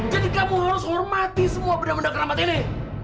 jadi kamu harus hormati semua benda benda keramat ini